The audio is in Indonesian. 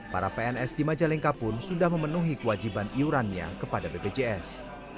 para pns di majalengka pun sudah memenuhi kewajiban iurannya kepada bpjs